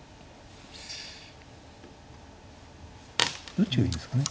どっちがいいんですかね。